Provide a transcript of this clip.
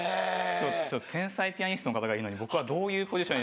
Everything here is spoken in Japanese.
天才ピアニストの方がいるのに僕はどういうポジション。